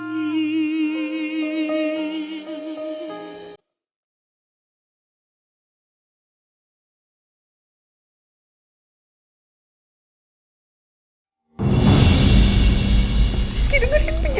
ibu selalu berhati hati